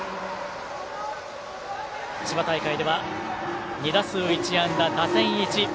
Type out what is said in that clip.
千葉大会では２打数１安打打点１。